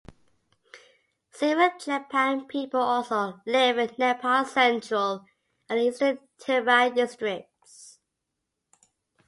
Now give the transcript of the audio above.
Several Chepang people also live in Nepal's central and eastern Terai districts.